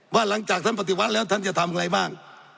ว่าหลังจากท่านปฏิวัติแล้วท่านจะทำอะไรบ้าง